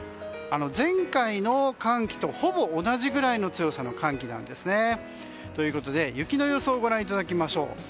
前回の寒気と、ほぼ同じくらいの強さの寒気なんですね。ということで雪の予想をご覧いただきましょう。